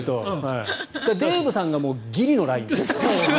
デーブさんがもうギリのライン。